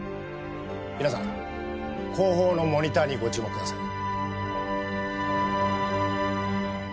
皆さん後方のモニターにご注目ください。